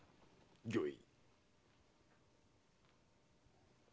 御意。